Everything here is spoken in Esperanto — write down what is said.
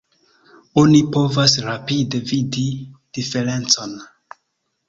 Oni povas rapide vidi diferencon.